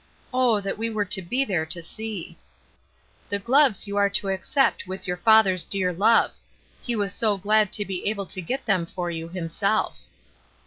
Oh, that we were to be there to see ! ''The gloves you are to accept with your father's dear love; he was so glad to be able to get them for you himself."